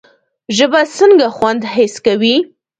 ژبه څنګه خوند حس کوي؟